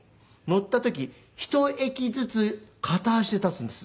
乗った時１駅ずつ片足で立つんです。